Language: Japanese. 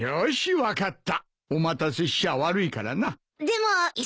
分かった